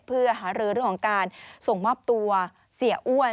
เพื่อหารือเรื่องของการส่งมอบตัวเสียอ้วน